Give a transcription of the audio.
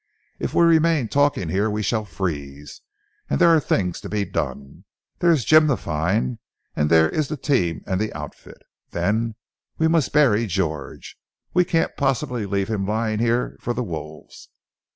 If we remain talking here we shall freeze. And there are things to be done. There is Jim to find and there is the team and the outfit. Then we must bury George. We can't possibly leave him lying here for the wolves!"